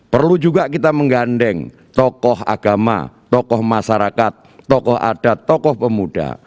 perlu juga kita menggandeng tokoh agama tokoh masyarakat tokoh adat tokoh pemuda